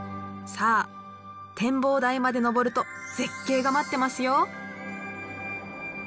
さあ展望台まで登ると絶景が待ってますよ。